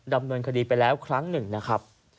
ดำเนินคดีไปแล้วครั้งหนึ่งนะครับ